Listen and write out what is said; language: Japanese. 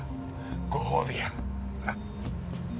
ご褒美や！